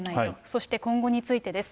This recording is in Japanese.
そして今後についてです。